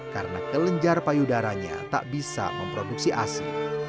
karena kelenjar payudaranya tak bisa memproduksi asi